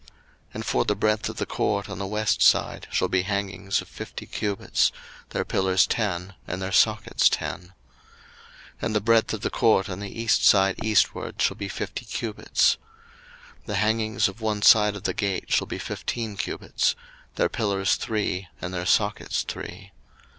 02:027:012 And for the breadth of the court on the west side shall be hangings of fifty cubits: their pillars ten, and their sockets ten. 02:027:013 And the breadth of the court on the east side eastward shall be fifty cubits. 02:027:014 The hangings of one side of the gate shall be fifteen cubits: their pillars three, and their sockets three.